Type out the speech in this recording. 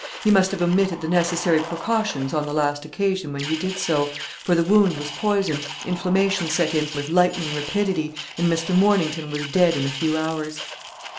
He must have omitted the necessary precautions on the last occasion when he did so, for the wound was poisoned, inflammation set in with lightning rapidity, and Mr. Mornington was dead in a few hours."